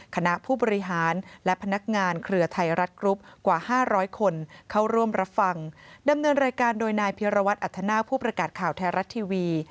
คณะผู้บริหารและพนักงานเครือไทยรัฐกรุ๊ปกว่า๕๐๐คนเข้าร่วมรับฟังดำเนินรายการโดยนายพิรวัตรอัธนาคผู้ประกาศข่าวไทยรัฐทีวี